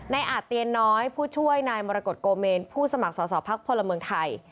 อาจเตียนน้อยผู้ช่วยนายมรกฏโกเมนผู้สมัครสอสอพักพลเมืองไทย